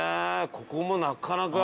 ここもなかなか。